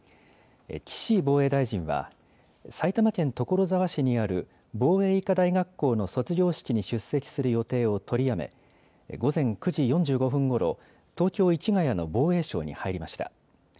岸防衛大臣は埼玉県所沢市にある防衛医科大学校の卒業式に出席する予定を取りやめ午前９時４５分ごろ、東京市ヶ谷の防衛省に入りました。